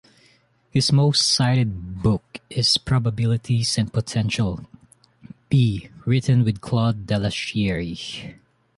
His most cited book is "Probabilities and Potential" B, written with Claude Dellacherie.